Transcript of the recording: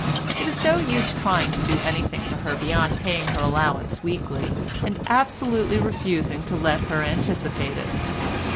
It is no use trying to do anything for her beyond paying her allowance weekly, and absolutely refusing to let her anticipate it.